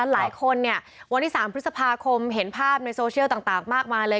หลายคนวันที่๓พฤษภาคมเห็นภาพในโซเชียลต่างมากมายเลย